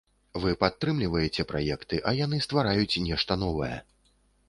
Вы падтрымліваеце праекты, а яны ствараюць нешта новае.